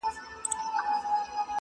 قافیلې د ستورو وتړه سالاره,